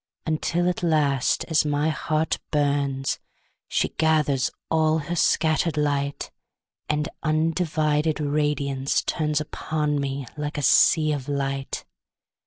Until at last, as my heart burns, She gathers all her scatter'd light, And undivided radiance turnsUpon me like a sea of light.